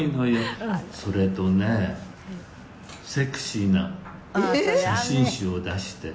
「それとねセクシーな写真集を出して」